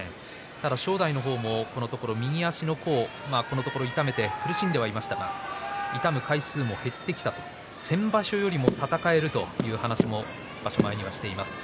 ただ正代もこのところ右足の甲このところ痛めていて苦しんでいましたが痛む回数も減ってきたと先場所よりも戦えるという話も場所前にしていました。